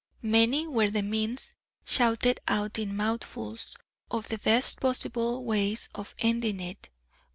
Many were the means shouted out in mouthfuls, of the best possible ways of ending it.